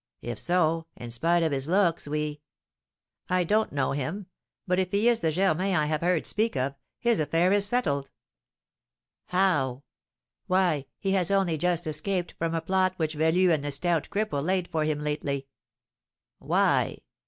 If so, in spite of his looks, we " "I don't know him; but if he is the Germain I have heard speak of, his affair is settled." "How?" "Why, he has only just escaped from a plot which Velu and the Stout Cripple laid for him lately." "Why?"